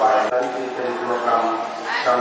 การพุทธศักดาลัยเป็นภูมิหลายการพุทธศักดาลัยเป็นภูมิหลาย